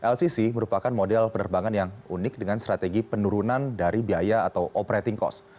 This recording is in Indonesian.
lcc merupakan model penerbangan yang unik dengan strategi penurunan dari biaya atau operating cost